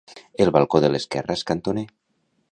El balcó de l'esquerra és cantoner.